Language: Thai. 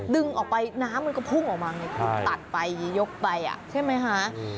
ดึงออกไปน้ำมันก็พุ่งออกมาไงพุ่งตัดไปยกไปใช่ไหมคะ